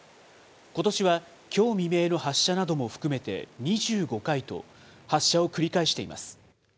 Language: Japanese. ことしはきょう未明の発射なども含めて、２５回と、発射を繰り返しています。